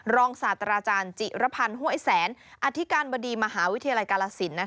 ศาสตราจารย์จิรพันธ์ห้วยแสนอธิการบดีมหาวิทยาลัยกาลสิน